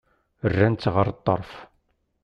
Rran-tt ɣer ṭṭerf.